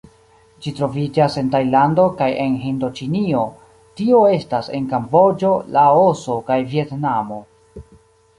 Ĝi troviĝas en Tajlando kaj en Hindoĉinio, tio estas en Kamboĝo, Laoso kaj Vjetnamo.